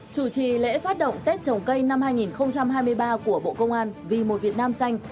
chủ trì lễ phát động tết trồng cây năm hai nghìn hai mươi ba của bộ công an vì một việt nam xanh